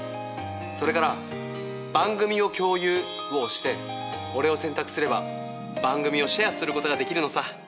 それから「番組を共有」を押して俺を選択すれば番組をシェアすることができるのさ。